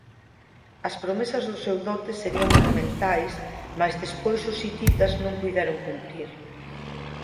As promesas do seu dote serían monumentais mais despois os hititas non puideron cumprir.